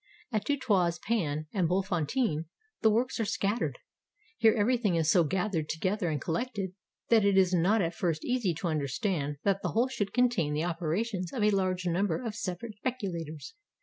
At Du Toit's Pan and Bultfontein the works are scattered. Here everything is so gathered together and collected that it is not at first easy to understand that the hole should contain the operations of a large number of separate speculators.